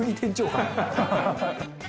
ハハハハ！